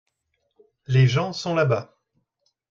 les gens sont là-bas.